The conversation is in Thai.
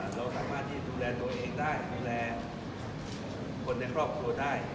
เราสามารถที่ดูแลตัวเองได้ดูแลคนในครอบครัวได้